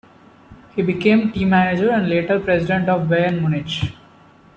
He became team manager and later president of Bayern Munich.